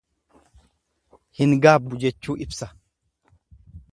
Hin gaabbu jechuu ibsa.